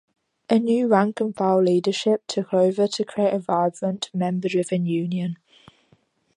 A new rank-and-file leadership took over to create a vibrant, member-driven union.